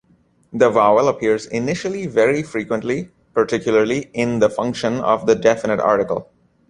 The vowel appears initially very frequently, particularly in the function of the definite article.